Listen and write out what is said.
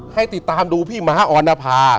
ให้ติดตามดูพี่ม้าออนภา